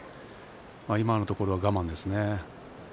今のところは我慢ですね。